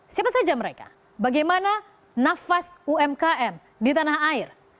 siapa saja mereka bagaimana nafas umkm di tanah air